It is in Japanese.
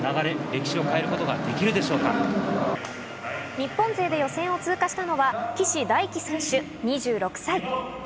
日本勢で予選を通過したのは岸大貴選手、２６歳。